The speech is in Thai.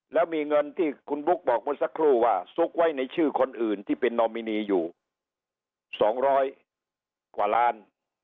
แล้วมีเงินที่คุณบุ๊คบอกเมื่อสักครู่ว่าซุกไว้ในชื่อคนอื่นที่เป็นนอมินีอยู่๒๐๐กว่าล้าน